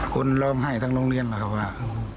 คนล้อมไห้ทั้งโรงเรียนครับ